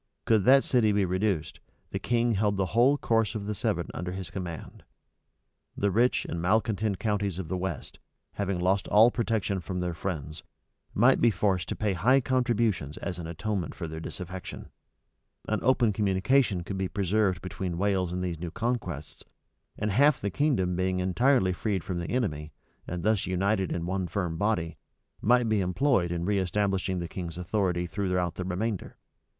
Could that city be reduced, the king held the whole course of the Severn under his command; the rich and malecontent counties of the west, having lost all protection from their friends, might be forced to pay high contributions as an atonement for their disaffection; an open communication could be preserved between Wales and these new conquests; and half of the kingdom being entirely freed from the enemy, and thus united into one firm body, might be employed in reestablishing the king's authority throughout the remainder.